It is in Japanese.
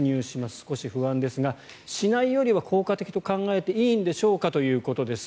少し不安ですがしないよりは効果的と考えていいんでしょうか？ということです。